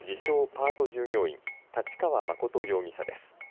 パート従業員太刀川誠容疑者です。